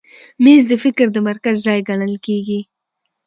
مېز د فکر د مرکز ځای ګڼل کېږي.